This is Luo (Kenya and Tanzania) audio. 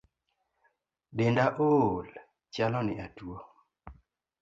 Denda ool, chalo ni atuo